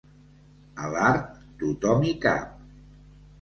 A l'art tothom hi cap.